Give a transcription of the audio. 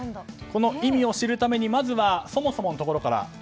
この意味を知るためにまずはそもそものところから。